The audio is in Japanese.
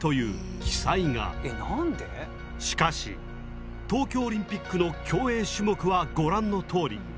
しかし東京オリンピックの競泳種目はご覧のとおり。